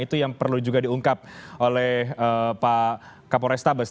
itu yang perlu juga diungkap oleh pak kapolrestabes